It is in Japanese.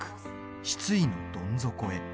失意のどん底へ。